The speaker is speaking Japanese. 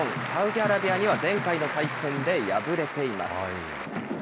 サウジアラビアには前回の対戦で敗れています。